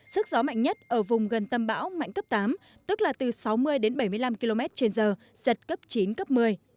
sức gió mạnh nhất ở vùng gần tâm bão mạnh cấp tám tức là từ sáu mươi đến bảy mươi năm km trên giờ giật cấp chín cấp một mươi